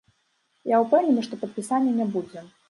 Я ўпэўнены, што падпісання не будзе.